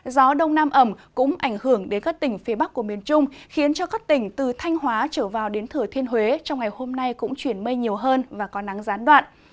gió đông nam ẩm cũng ảnh hưởng đến các tỉnh phía bắc của miền trung khiến cho các tỉnh từ thanh hóa trở vào đến thừa thiên huế trong ngày hôm nay cũng chuyển mây nhiều hơn và có nắng gián đoạn